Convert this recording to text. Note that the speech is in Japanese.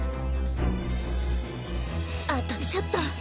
あとちょっと！